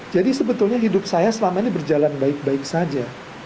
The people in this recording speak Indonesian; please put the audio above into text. jadi sebetulnya hidup saya selama ini berjalan baik baik saja